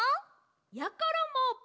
やころも。